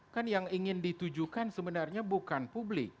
kan yang ingin ditujukan sebenarnya bukan publik